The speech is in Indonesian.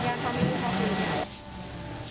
insya allah kami sudah memulihkan juga dengan mobil ini